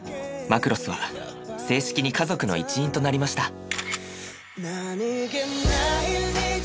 マクロスは正式に家族の一員となりました。